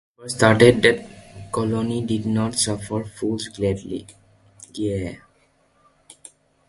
The paper stated that Connolley did "not suffer...fools gladly".